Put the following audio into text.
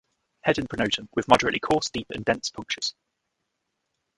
Head and pronotum with moderately coarse deep and dense punctures.